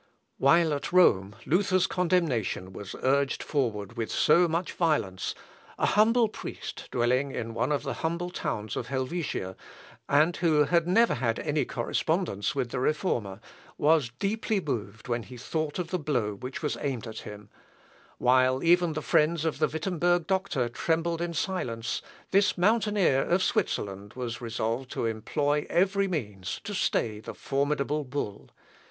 ] While at Rome, Luther's condemnation was urged forward with so much violence, a humble priest, dwelling in one of the humble towns of Helvetia, and who had never had any correspondence with the Reformer, was deeply moved when he thought of the blow which was aimed at him; while even the friends of the Wittemberg doctor trembled in silence, this mountaineer of Switzerland resolved to employ every means to stay the formidable bull.